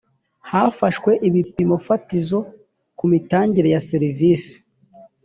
hafashwe ibipimo fatizo ku mitangire ya serivisi .